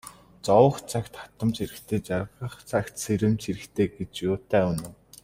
Зовох цагт хатамж хэрэгтэй, жаргах цагт сэрэмж хэрэгтэй гэж юутай үнэн.